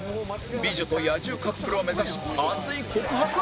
美女と野獣カップルを目指し熱い告白！